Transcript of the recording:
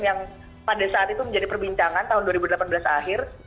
yang pada saat itu menjadi perbincangan tahun dua ribu delapan belas akhir